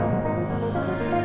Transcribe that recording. aku mau ke rumah sakit